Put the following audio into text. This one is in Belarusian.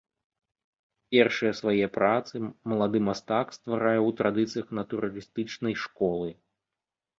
Першыя свае працы малады мастак стварае ў традыцыях натуралістычнай школы.